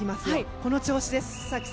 この調子です。